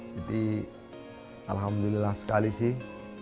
jadi alhamdulillah sekali sih